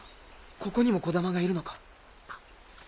ここにもコダマがいるのか。